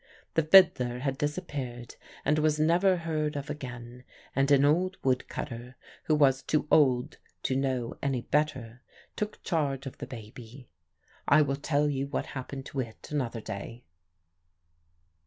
The fiddler had disappeared and was never heard of again, and an old wood cutter, who was too old to know any better, took charge of the baby. "I will tell you what happened to it another day."